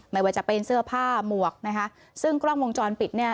ไม่ว่าจะเป็นเสื้อผ้าหมวกนะคะซึ่งกล้องวงจรปิดเนี่ย